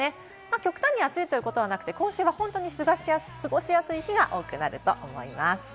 極端に暑いということはなくて、今週は本当に過ごしやすい日が多くなると思います。